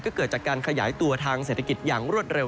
ก็เกิดจากการขยายตัวทางเศรษฐกิจอย่างรวดเร็ว